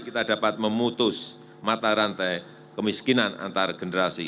kita dapat memutus mata rantai kemiskinan antargenerasi